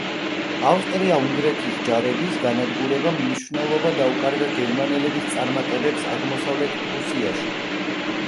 ავსტრია-უნგრეთის ჯარების განადგურებამ მნიშვნელობა დაუკარგა გერმანელების წარმატებებს აღმოსავლეთ პრუსიაში.